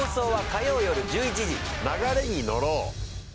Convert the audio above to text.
流れに乗ろう！